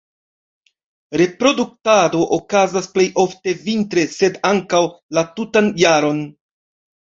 Reproduktado okazas plej ofte vintre, sed ankaŭ la tutan jaron.